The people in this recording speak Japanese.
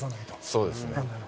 そうですね。